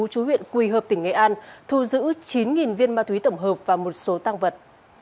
chú huyện quỳ hợp tỉnh nghệ an thu giữ chín viên ma túy tổng hợp và một số tăng vật